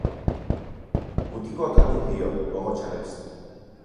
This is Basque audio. Mutikoak lagundu dio, gogo txarrez.